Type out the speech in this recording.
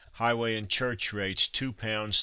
highway and church rates, 2 pounds 13s.